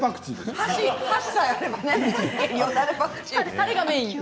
たれがメイン。